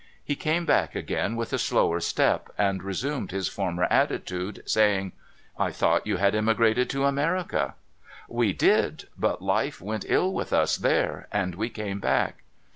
He came back again with a slower step, and resumed his former attitude, saying :' I thought you had emigrated to America ?'' We did. But life went ill with us there, and we came back.'